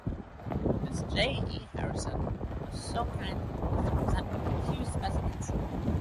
Miss J. E. Harrison was so kind as to present me with two specimens.